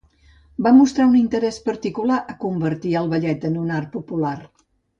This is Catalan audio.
Va mostrar un interès particular a convertir al ballet en un art popular.